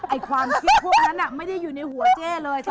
ความคิดพวกนั้นไม่ได้อยู่ในหัวเจ๊เลย